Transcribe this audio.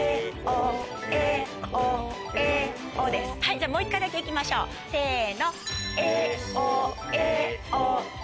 じゃあもう１回だけ行きましょうせの。